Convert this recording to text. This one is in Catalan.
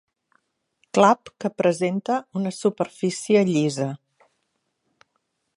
Clap que presenta una superfície llisa.